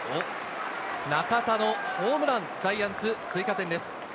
中田のホームラン、ジャイアンツ追加点です。